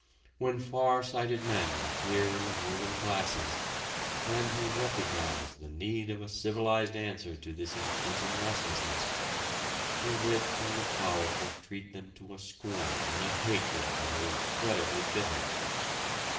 When far sighted men appear in the ruling classes men who recognize the need of a civilized answer to this increasing restlessness, the rich and the powerful treat them to a scorn and a hatred that are incredibly bitter.